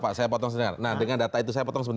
pak saya potong sebentar nah dengan data itu